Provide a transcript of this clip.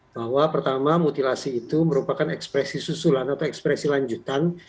bahwa pertama mutilasi itu merupakan ekspresi susulan atau ekspresi lanjutan